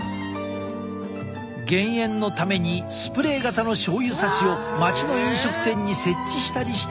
減塩のためにスプレー型の醤油さしを町の飲食店に設置したりしてきた。